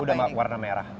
sudah warna merah